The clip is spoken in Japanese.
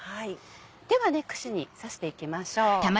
では串に刺していきましょう。